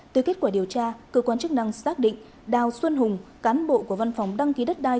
từ kết quả điều tra cơ quan chức năng xác định đào xuân hùng cán bộ của văn phòng đăng ký đất đai